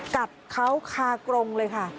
กัดเขาคากรงเลยค่ะ